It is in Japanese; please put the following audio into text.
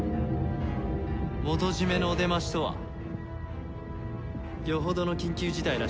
元締のお出ましとはよほどの緊急事態らしいな。